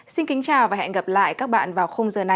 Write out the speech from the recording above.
xin kính chào và hẹn gặp lại các bạn vào khung giờ này tuần sau